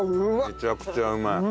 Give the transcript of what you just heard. めちゃくちゃうまい。